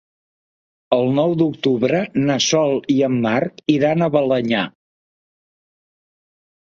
El nou d'octubre na Sol i en Marc iran a Balenyà.